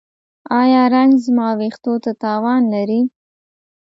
ایا رنګ زما ویښتو ته تاوان لري؟